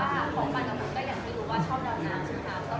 แต่ว่าของมันกับผมก็ยังไม่รู้ว่าชอบดำน้ำใช่ไหมคะ